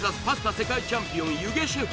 世界チャンピオン弓削シェフ